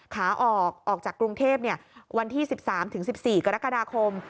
ขาออกออกจากกรุงเทพวันที่๑๓๑๔กรกฎาคม